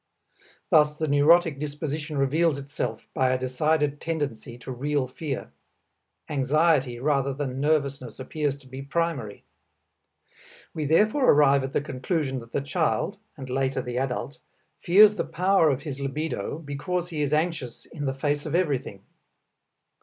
Thus the neurotic disposition reveals itself by a decided tendency to real fear; anxiety rather than nervousness appears to be primary. We therefore arrive at the conclusion that the child (and later the adult) fears the power of his libido because he is anxious in the face of everything.